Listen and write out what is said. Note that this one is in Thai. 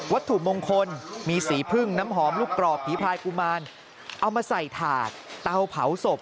ถุมงคลมีสีพึ่งน้ำหอมลูกกรอบผีพลายกุมารเอามาใส่ถาดเตาเผาศพ